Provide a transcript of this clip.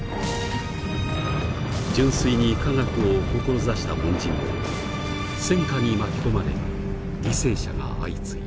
純粋に科学を志した門人も戦火に巻き込まれ犠牲者が相次いだ。